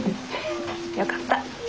よかった。